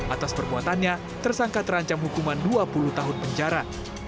atas perbuatannya tersangka terancam hukuman dua puluh tahun penjara